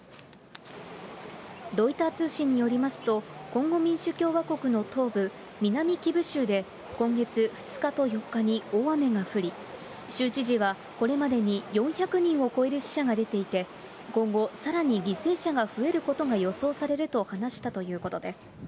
ロイター通信によりますと、コンゴ民主共和国の東部、南キブ州で今月２日と４日に大雨が降り、州知事はこれまでに４００人を超える死者が出ていて、今後、さらに犠牲者が増えることが予想されると話したということです。